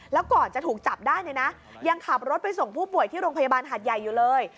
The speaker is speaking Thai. แล้วก่อนจะถูกจับได้เนี่ยนะยังขับรถไปส่งผู้ป่วยที่โรงพยาบาลหาดใหญ่อยู่เลย